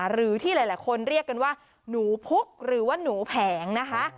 หรือที่หลายคนเรียกกันว่าหนูพุกหรือว่าหนูแผงนะคะ